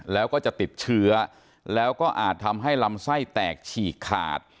แล้วก็จะติดเชื้อแล้วก็อาจทำให้ลำไส้แตกฉีกขาด